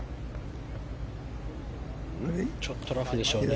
ちょっとラフでしょうね。